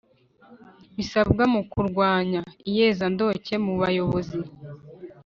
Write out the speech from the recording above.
Bisabwa mu kurwanya iyezandonke mubayobozi